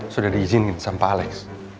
sudah diizinin sama pak alex